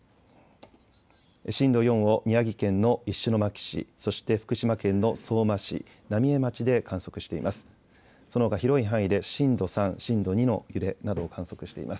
震度４を宮城県の石巻市そして福島県の相馬市、浪江町で観測しています。